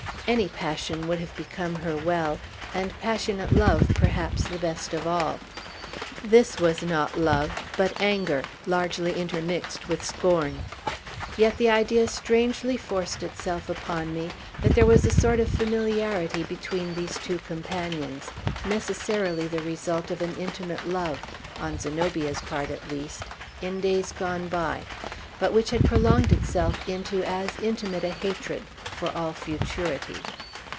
Any passion would have become her well; and passionate love, perhaps, the best of all. This was not love, but anger, largely intermixed with scorn. Yet the idea strangely forced itself upon me, that there was a sort of familiarity between these two companions, necessarily the result of an intimate love, on Zenobia's part, at least, in days gone by, but which had prolonged itself into as intimate a hatred, for all futurity.